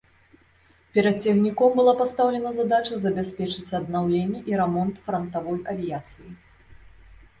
Перад цягніком была пастаўлена задача забяспечыць аднаўленне і рамонт франтавой авіяцыі.